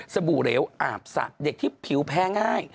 บู่เหลวอาบสะเด็กที่ผิวแพ้ง่าย